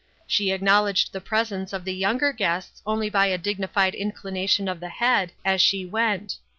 She ac knowledged the presence of the younger guests only by a dignified inclination of the head as she went.